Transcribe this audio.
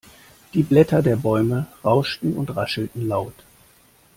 Die Blätter der Bäume rauschten und raschelten laut.